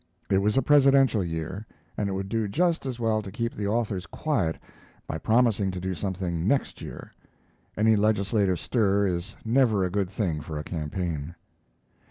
It was a Presidential year, and it would do just as well to keep the authors quiet by promising to do something next year. Any legislative stir is never a good thing for a campaign.